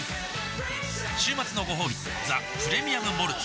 週末のごほうび「ザ・プレミアム・モルツ」